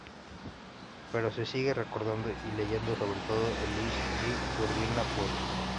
Pero se sigue recordando y leyendo sobre todo al Luis G. Urbina poeta.